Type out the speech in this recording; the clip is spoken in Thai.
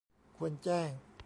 ควรแจ้ง